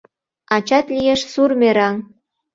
Ачат лиеш сур мераҥ.